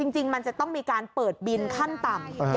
จริงมันจะต้องมีการเปิดบินขั้นต่ำ